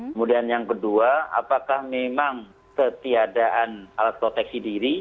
kemudian yang kedua apakah memang ketiadaan alat proteksi diri